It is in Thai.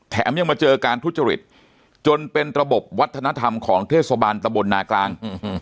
ยังมาเจอการทุจริตจนเป็นระบบวัฒนธรรมของเทศบาลตะบลนากลาง